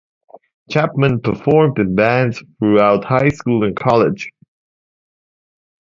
Chapman performed in bands throughout high school and college.